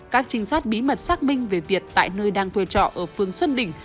các trinh sát bí mật xác minh về việt tại nơi đang tuê trọ ở phương xuân đỉnh